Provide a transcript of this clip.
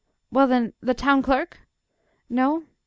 Well, then, the Town Clerk?... No?